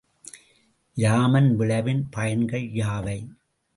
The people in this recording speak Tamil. இராமன் விளைவின் பயன்கள் யாவை?